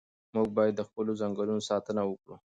موږ باید د خپلو ځنګلونو ساتنه وکړو.